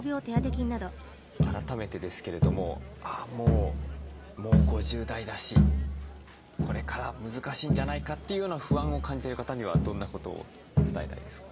改めてですけれどももう５０代だしこれから難しいんじゃないかというような不安を感じてる方にはどんなことを伝えたいですか？